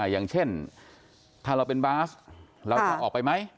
อย่างเช่นถ้าเราเป็นบาสเราจะออกไปไหม